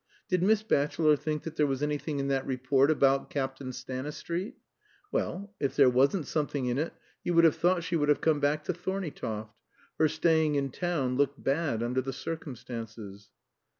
Did Miss Batchelor think there was anything in that report about Captain Stanistreet? Well, if there wasn't something in it you would have thought she would have come back to Thorneytoft; her staying in town looked bad under the circumstances.